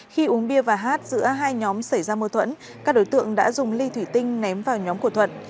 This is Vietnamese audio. khi uống bia và hát giữa hai nhóm xảy ra mô thuẫn các đối tượng đã dùng ly thủy tinh ném vào nhóm của thuận